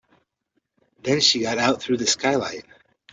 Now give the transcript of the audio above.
Then she got out through the skylight.